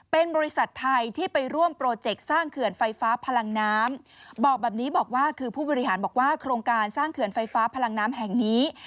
เป็นบริษัทไทยที่ไปร่วมโปรเจกต์สร้างเขื่อนไฟฟ้าพลังน้ำบอกแบบนี้บอกว่าคือผู้บริหารบอกว่าโครงการสร้างเขื่อนไฟฟ้าพลังน้ำแห่งนี้